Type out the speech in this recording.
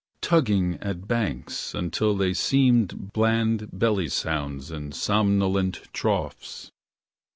Tugging at banks, until they seemed Bland belly sounds in somnolent troughs.